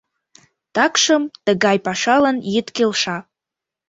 Такшым тыгай пашалан йӱд келша.